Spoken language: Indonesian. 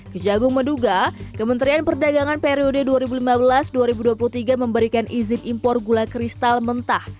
kejagung menduga kementerian perdagangan periode dua ribu lima belas dua ribu dua puluh tiga memberikan izin impor gula kristal mentah